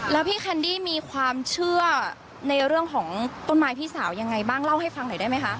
แล้วพี่แคนดี้มีความเชื่อในเรื่องของต้นไม้พี่สาวยังไงบ้างเล่าให้ฟังหน่อยได้ไหมคะ